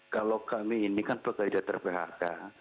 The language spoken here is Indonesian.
kalau kami ini kan pekerja ter phk